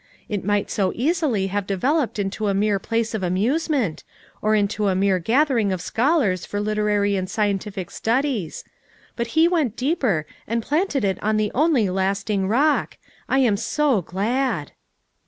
It might so easily have developed into a mere place of amusement ; or into a mere gathering of scholars for literary and scientific studies; but he went deeper and planted it on the only lasting Rock; I am so glad!"